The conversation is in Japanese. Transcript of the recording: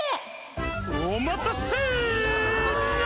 おまたせニャ！